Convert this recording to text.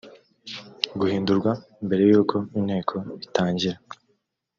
guhindurwa mbere y uko inteko itangira